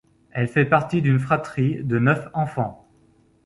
Elle fait partie d'une fratrie de neufs enfants.